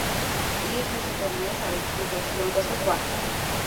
იგი ქმნის ინტერიერს, ავეჯს, ჭურჭელს, სიმბოლიკას და სხვა.